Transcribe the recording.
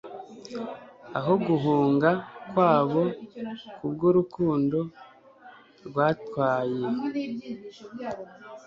aho guhunga kwabo kubwurukundo rwatwaye